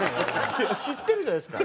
知ってるじゃないですか。